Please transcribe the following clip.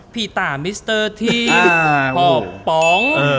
พี่ตามิสเตอร์ทีมพ่อป๋อง